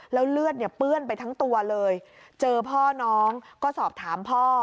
แล้วเลือดเนี่ยเปื้อนไปทั้งตัวเลยเจอพ่อน้องก็สอบถามพ่อ